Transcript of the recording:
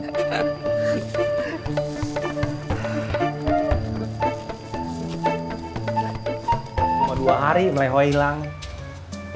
cuma dua hari meleho hilang